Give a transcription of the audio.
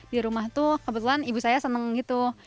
di rumah tuh kebetulan ibu saya seneng gitu